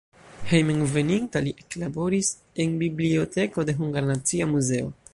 Hejmenveninta li eklaboris en biblioteko de Hungara Nacia Muzeo.